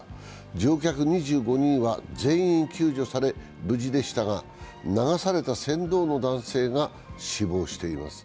乗客２５人は全員救助され無事でしたが、流された船頭の男性が死亡しています。